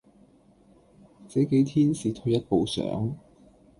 這幾天是退一步想：